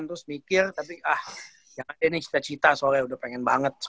tau pajarnya ya jago jago banget